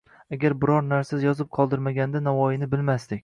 Agar biron narsa yozib qoldirmaganida Navoiyni bilmasdik.